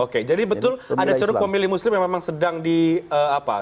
oke jadi betul ada ceruk pemilih muslim yang memang sedang di apa